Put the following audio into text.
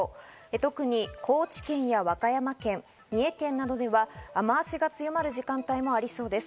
特に高知県や和歌山県、三重県などでは雨脚が強まる時間帯もありそうです。